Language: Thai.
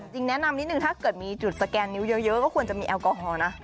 จริงแนะนำนิดนึงถ้าเกิดมีจุดสแกนนิ้วเยอะก็ควรจะมีแอลกอฮอลนะ